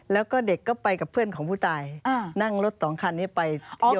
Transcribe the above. แล้วก็เด็กก็ไปกับเพื่อนของผู้ตายนั่งรถ๒คันให้ไปเที่ยวกัน